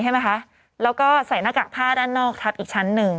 ใช่ไหมคะแล้วก็ใส่หน้ากากผ้าด้านนอกทับอีกชั้นหนึ่ง